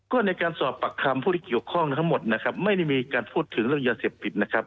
ก็ในการสอบปากคำผู้ที่เกี่ยวข้องทั้งหมดนะครับไม่ได้มีการพูดถึงเรื่องยาเสพติดนะครับ